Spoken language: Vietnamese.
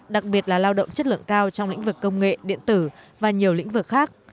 đặc biệt là lao động chất lượng cao trong lĩnh vực công nghệ điện tử và nhiều lĩnh vực khác